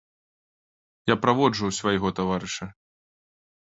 Я праводжу свайго таварыша.